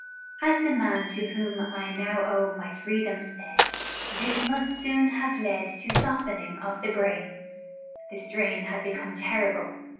As the man to whom I was now to owe my freedom said, this must soon have led to softening of the brain. The strain had become terrible.